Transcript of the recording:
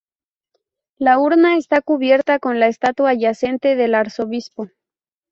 La urna está cubierta con la estatua yacente del arzobispo.